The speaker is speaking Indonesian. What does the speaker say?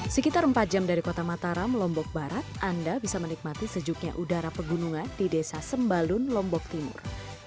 sekitar empat jam dari kota mataram lombok barat anda bisa menikmati sejuknya udara pegunungan di desa sembalun lombok timur